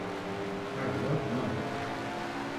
I love money